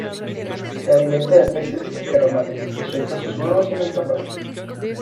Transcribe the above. Se alimenta de peces y calamares, y suelta sus huevos en alta mar.